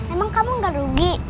emang kamu gak rugi